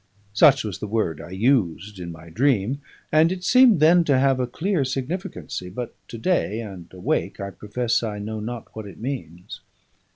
Such was the word I used in my dream, and it seemed then to have a clear significancy; but to day, and awake, I profess I know not what it means.